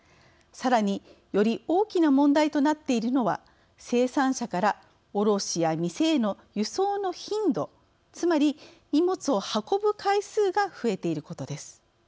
さらにより大きな問題となっているのは生産者から卸や店への輸送の頻度つまり、荷物を運ぶ回数が増えていることです。